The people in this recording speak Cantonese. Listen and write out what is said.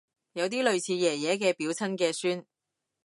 有啲類似爺爺嘅表親嘅孫